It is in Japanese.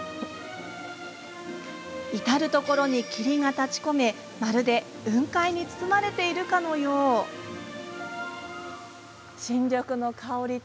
至る所に、霧が立ち込めまるで雲海に包まれているかのようです。